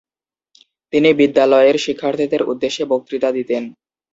তিনি বিদ্যালয়ের শিক্ষার্থীদের উদ্দেশ্যে বক্তৃতা দিতেন।